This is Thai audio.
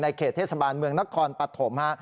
ในเขตเทศบาลเมืองนักคลปัดถม